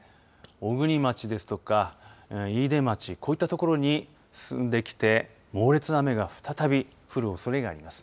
小国町ですとか飯豊町、こういった所に進んできて猛烈な雨が再び降るおそれがあります。